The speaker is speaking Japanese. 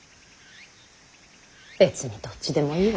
別にどっちでもいいわ。